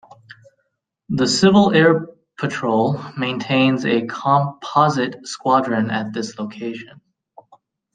The Civil Air Patrol maintains a composite squadron at this location.